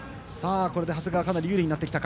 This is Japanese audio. これで長谷川かなり有利になってきた。